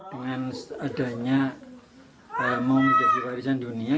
dengan adanya memiliki warisan dunia